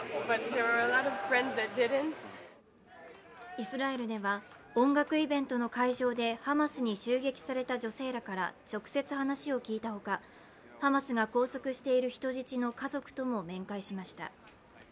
イスラエルでは音楽イベントの会場でハマスに襲撃された女性らから直接話を聞いたほか、ハマスが拘束している人質の家族とも面会しました。